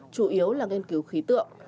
chủ yếu là nghiên cứu khí tượng